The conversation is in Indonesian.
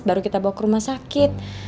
baru kita bawa ke rumah sakit